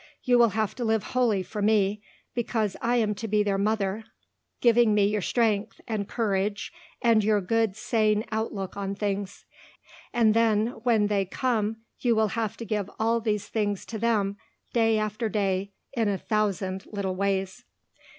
You will have to live wholly for me because I am to be their mother, giving me your strength and courage and your good sane outlook on things. And then when they come you will have to give all these things to them day after day in a thousand little ways."